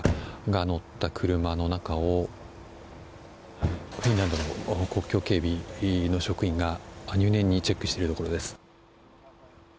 が乗った車の中をフィンランドの国境警備の職員が入念にチェックしているところです。